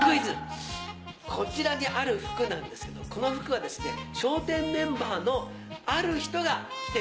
こちらにある服なんですけどもこの服は笑点メンバーのある人が着ている。